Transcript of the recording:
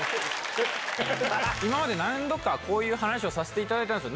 今まで何度か、こういう話をさせていただいたんですよ。